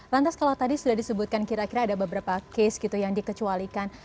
lantas kalau tadi sudah disebutkan kira kira ada beberapa case gitu yang dikecualikan